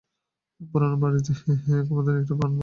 পুরোনো বাড়িতে কুমুদিনীর একটা প্রাণময় পরিমণ্ডল ছিল।